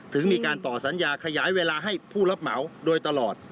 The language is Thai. ถึงมีการต่อสัญญาขยายเวลาให้ผู้รับเหมาโดยตลอด